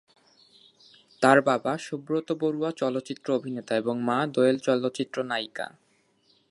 তার বাবা সুব্রত বড়ুয়া চলচ্চিত্র অভিনেতা এবং মা দোয়েল চলচ্চিত্র নায়িকা।